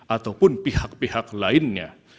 ataupun pihak pihak lainnya